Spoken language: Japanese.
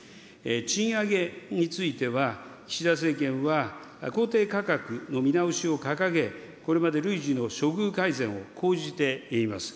賃上げについては、岸田政権は、公定価格の見直しを掲げ、これまで累次の処遇改善を講じています。